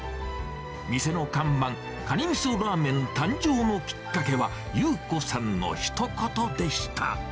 店の看板、蟹みそらーめん誕生のきっかけは、友子さんのひと言でした。